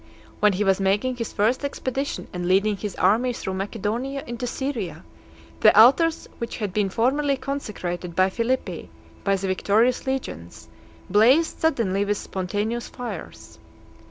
When he was (203) making his first expedition, and leading his army through Macedonia into Syria, the altars which had been formerly consecrated at Philippi by the victorious legions, blazed suddenly with spontaneous fires.